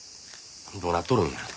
どうなっとるんや。